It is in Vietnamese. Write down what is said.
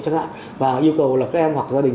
chẳng hạn và yêu cầu là các em hoặc gia đình